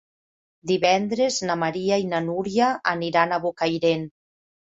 Divendres na Maria i na Núria aniran a Bocairent.